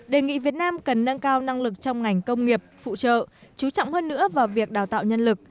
đề nghị việt nam cần nâng cao năng lực trong ngành công nghiệp phụ trợ chú trọng hơn nữa vào việc đào tạo nhân lực